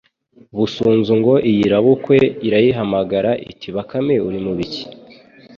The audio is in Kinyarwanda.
busunzu ngo iyirabukwe irayihamagara iti bakame urimubiki